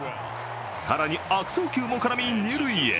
更に悪送球も絡み二塁へ。